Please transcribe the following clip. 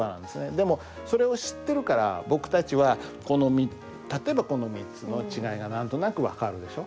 でもそれを知ってるから僕たちはこの例えばこの３つの違いが何となく分かるでしょ。